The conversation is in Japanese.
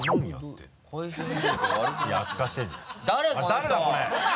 誰だこれ！